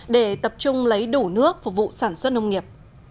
để tập trung lấy đủ nước phục vụ sản xuất nông nghiệp